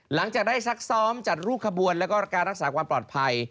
หลังจากได้ซักซ้อมจัดรูปขบวนแล้วก็การรักษาความปลอดภัย